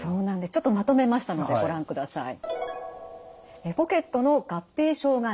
ちょっとまとめましたのでご覧ください。